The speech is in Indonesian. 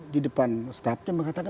di depan staffnya